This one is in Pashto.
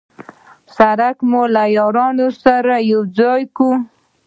سړک مو له یارانو سره یو ځای کوي.